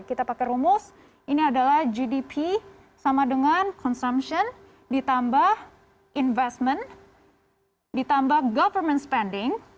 kita pakai rumus ini adalah gdp sama dengan consumption ditambah investment ditambah government spending